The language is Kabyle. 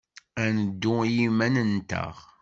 Ad neddu i yiman-nteɣ.